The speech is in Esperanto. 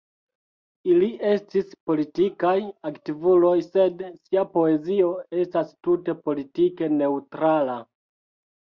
Ili estis politikaj aktivuloj, sed sia poezio estas tute politike neŭtrala.